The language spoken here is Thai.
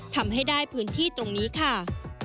ทำให้ได้พื้นที่ตรงนี้ค่ะ